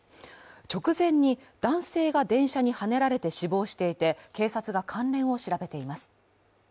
直前に男性が電車にはねられて死亡していて、警察が関連を調べています。